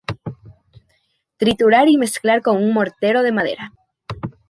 Triturar y mezclar con un mortero de madera.